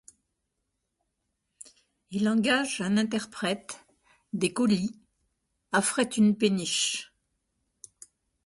Il engage un interprète, des coolies, affrète une péniche.